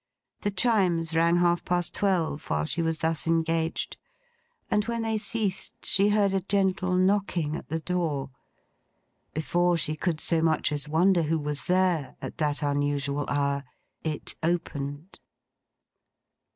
The Chimes rang half past twelve while she was thus engaged; and when they ceased she heard a gentle knocking at the door. Before she could so much as wonder who was there, at that unusual hour, it opened.